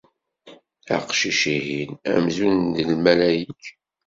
Aqcic-ihin amzun d lmalayek.